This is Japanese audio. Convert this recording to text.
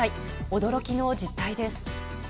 驚きの実態です。